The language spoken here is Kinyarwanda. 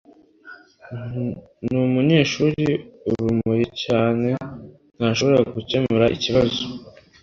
Numunyeshuri urumuri cyane ntashobora gukemura ikibazo